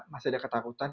masih ada ketakutan